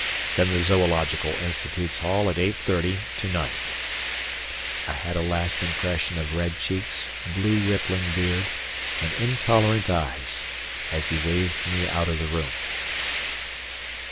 Then the Zoological Institute's Hall at eight thirty to night." I had a last impression of red cheeks, blue rippling beard, and intolerant eyes, as he waved me out of the room.